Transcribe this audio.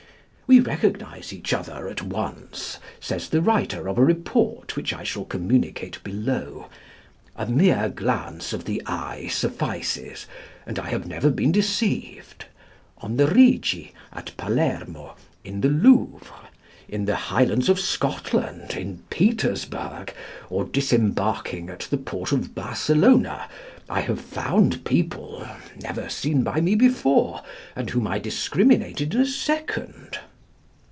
'We recognise each other at once,' says the writer of a report which I shall communicate below: 'A mere glance of the eye suffices; and I have never been deceived. On the Rigi, at Palermo, in the Louvre, in the Highlands of Scotland, in Petersburg, on disembarking at the port of Barcelona, I have found people, never seen by me before, and whom I discriminated in a second.'